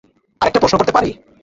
আরেকটা প্রশ্ন করতে পারি?